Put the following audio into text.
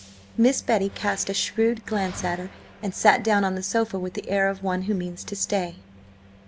Miss Betty cast a shrewd glance at her, and sat down on the sofa with the air of one who means to stay.